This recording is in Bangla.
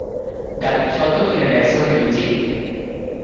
গানের স্বত্ব কিনে নেয় সনি মিউজিক।